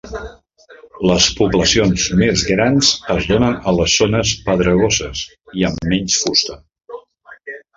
Les poblacions més grans es donen a les zones pedregoses i amb menys fusta.